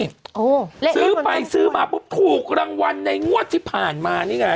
เลขบนต้นกล้วยซื้อไปซื้อมาปุ๊บถูกรางวัลในงวดที่ผ่านมานี่ไง